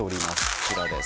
こちらです。